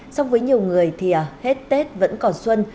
song với nhiều người thì hết tết vẫn còn xuân